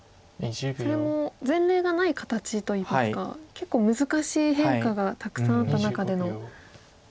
それも前例がない形といいますか結構難しい変化がたくさんあった中での。